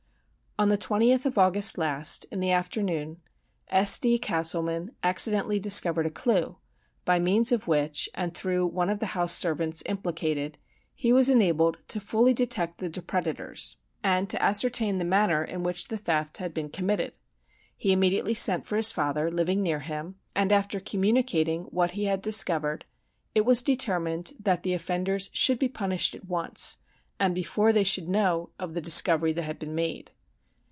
"On the 20th of August last, in the afternoon, S. D. Castleman accidentally discovered a clue, by means of which, and through one of the house servants implicated, he was enabled fully to detect the depredators, and to ascertain the manner in which the theft had been committed. He immediately sent for his father, living near him, and after communicating what he had discovered, it was determined that the offenders should be punished at once, and before they should know of the discovery that had been made.